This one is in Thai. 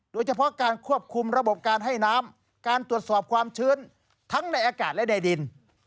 โดยเฉพาะการควบคุมระบบการให้น้ำการตรวจสอบความชื้นทั้งในอากาศและในดิน